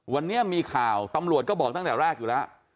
วันนี้มีข่าวตำรวจก็บอกตั้งแต่แรกอยู่แล้ว